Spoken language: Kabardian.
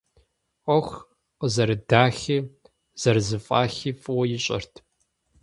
Ӏуэху къызэрыдахи зэрызэфӀахи фӀыуэ ищӀэрт.